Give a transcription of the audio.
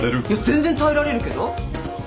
全然耐えられるけど。